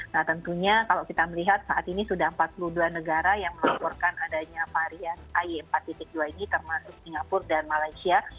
nah tentunya kalau kita melihat saat ini sudah empat puluh dua negara yang melaporkan adanya varian ay empat dua ini termasuk singapura dan malaysia